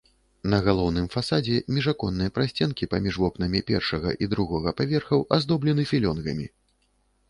На галоўным фасадзе міжаконныя прасценкі паміж вокнамі першага і другога паверхаў аздоблены філёнгамі.